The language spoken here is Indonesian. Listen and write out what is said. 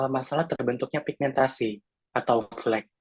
masalah terbentuknya pigmentasi atau flag